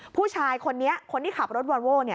ผู้ชายคนนี้คนที่ขับรถวอนโว้